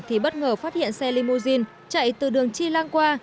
thì bất ngờ phát hiện xe limousine chạy từ đường chi lăng qua